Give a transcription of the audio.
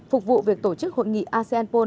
phục vụ việc tổ chức hội nghị asean napron